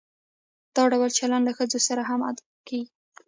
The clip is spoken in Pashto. دا ډول چلند له ښځو سره هم کیږي.